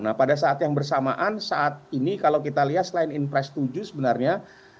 nah pada saat yang bersamaan saat ini kalau kita lihat selain inpres tujuh sebenarnya